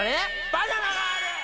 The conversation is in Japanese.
バナナがある！